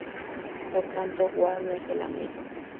Por tanto, Ward no es "el amigo".